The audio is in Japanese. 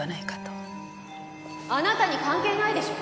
あなたに関係ないでしょ！